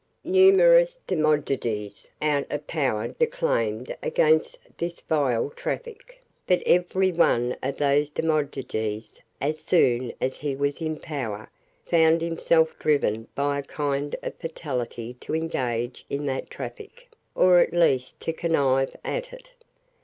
Numerous demagogues out of power declaimed against this vile traffic; but every one of those demagogues, as soon as he was in power, found himself driven by a kind of fatality to engage in that traffic, or at least to connive at it.